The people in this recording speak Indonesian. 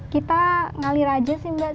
kita ngalir aja sih mbak